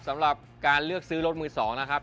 สำหรับการเลือกซื้อรถมือ๒นะครับ